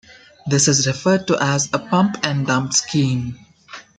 This is referred to as a "pump and dump" scheme.